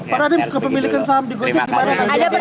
pak raden kepemilikan saham di gojek di mana